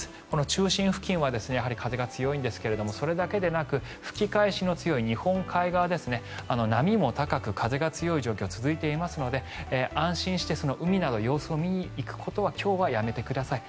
中心付近はやはり風が強いんですがそれだけではなく吹き返しの強い、日本海側波も高く風が強い状況が続いていますので安心して、海など様子を見に行くことは今日はやめてください。